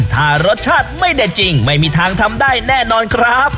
ถ้ารสชาติไม่เด็ดจริงไม่มีทางทำได้แน่นอนครับ